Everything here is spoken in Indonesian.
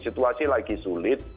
situasi lagi sulit